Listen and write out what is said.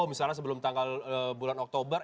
misalnya sebelum tanggal bulan oktober